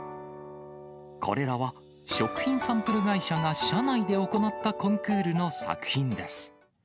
これらは、食品サンプル会社が社内で行ったコンクールの作品です。